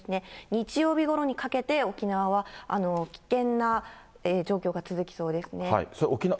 日曜日ごろにかけて沖縄は危険な状況が続きそうですね。